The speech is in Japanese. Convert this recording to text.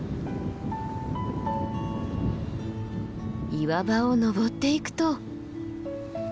岩場を登っていくと。